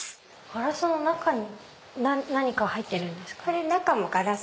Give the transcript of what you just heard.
ガラスの中に何か入ってるんですかね。